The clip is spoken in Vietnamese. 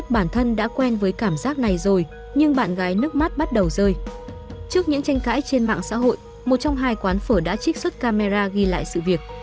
trước những cảm giác tranh cãi trên mạng xã hội một trong hai quán phở đã trích xuất camera ghi lại sự việc